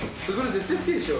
絶対好きでしょ。